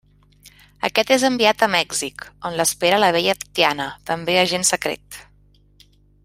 Aquest és enviat a Mèxic, on l'espera la bella Tatiana, també agent secret.